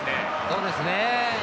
そうですね。